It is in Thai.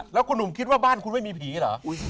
แล้วคุณหนุ่มคิดว่าบ้านคุณไม่มีผีเหรอ